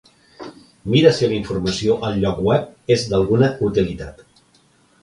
Mira si la informació al lloc web és d'alguna utilitat.